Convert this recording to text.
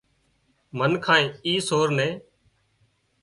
منکانئي اي سور نين